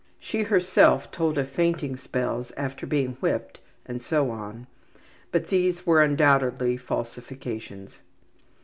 She herself told of fainting spells after being whipped and so on, but these were undoubtedly falsifications.